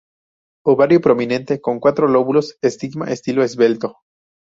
Ovario prominente con cuatro lóbulos; estigma estilo esbelto.